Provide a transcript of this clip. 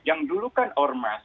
yang dulu kan ormas